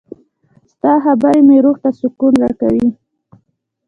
• ستا خبرې مې روح ته سکون راکوي.